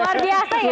luar biasa ya